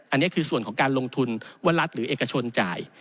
อันนี้คือส่วนของการลงทุนว่ารัฐหรือเอกชนจ่าย